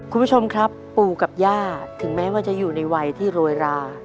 คุณผู้ชมครับปู่กับย่าถึงแม้ว่าจะอยู่ในวัยที่โรยรา